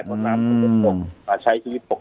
ใช้ชีวิตปกติพอน้ำเยอะมันก็จะเออท่วมท่วมบ้าน